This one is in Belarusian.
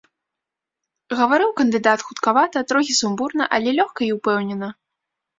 Гаварыў кандыдат хуткавата, трохі сумбурна, але лёгка і ўпэўнена.